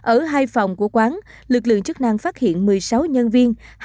ở hai phòng của quán lực lượng chức năng phát hiện một mươi sáu nhân viên